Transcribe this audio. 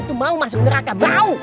bisa masuk neraka mau